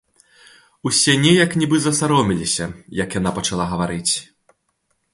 Усе неяк нібы засаромеліся, як яна пачала гаварыць.